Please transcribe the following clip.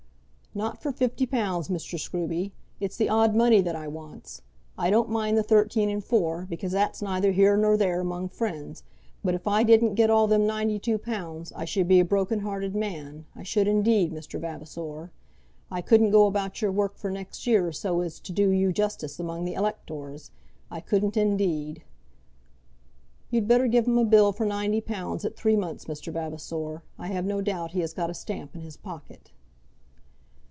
"Not for fifty pounds, Mr. Scruby. It's the odd money that I wants. I don't mind the thirteen and four, because that's neither here nor there among friends, but if I didn't get all them ninety two pounds I should be a broken hearted man; I should indeed, Mr. Vavasor. I couldn't go about your work for next year so as to do you justice among the electors. I couldn't indeed." "You'd better give him a bill for ninety pounds at three months, Mr. Vavasor. I have no doubt he has got a stamp in his pocket."